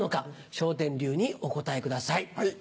笑点流にお答えください。